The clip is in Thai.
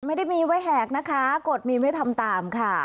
ไม่ได้มีไว้แหกนะคะกฎมีไม่ทำตามค่ะ